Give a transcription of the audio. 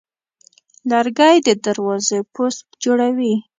لرګی د دروازې پوست جوړوي.